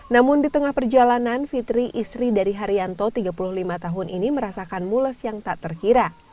namun di tengah perjalanan fitri istri dari haryanto tiga puluh lima tahun ini merasakan mules yang tak terkira